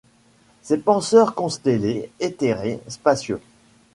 Ses penseurs constellés, éthérés, spacieux